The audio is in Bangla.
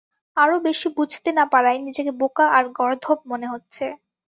আরো বেশি বুঝতে না পারায় নিজেকে বোকা আর গর্দভ মনে হচ্ছে।